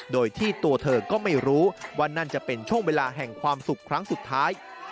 โดยที่ตัวเธอก็ไม่รู้ว่านั่นจะเป็นช่วงเวลาแห่งความสุขครั้งสุดท้าย